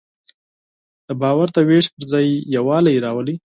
دا باور د وېش پر ځای یووالی راولي.